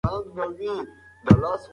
هغه دا د ژوند د لګښت یوه برخه ګڼي.